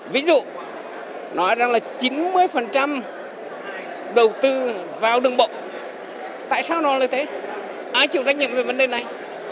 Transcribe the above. ví dụ nói ra là chín mươi đầu tư vào đường bộ tại sao nó là thế ai chủ tách nhiệm về vấn đề này